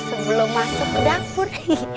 sebelum masuk ke dapur